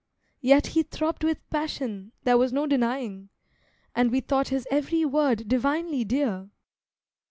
Yet he throbbed with passion there was no denying, And we thought his every word divinely dear!